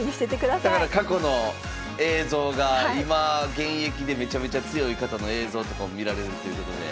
だから過去の映像が今現役でめちゃめちゃ強い方の映像とかを見られるっていうことで。